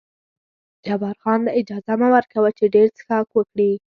جبار خان ته اجازه مه ور کوه چې ډېر څښاک وکړي.